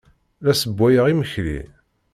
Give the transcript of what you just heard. La ssewwayeɣ imekli.